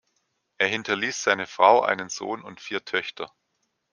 Er hinterließ seine Frau, einen Sohn und vier Töchter.